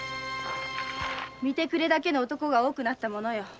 見てくれだけの男が多くなったものよ。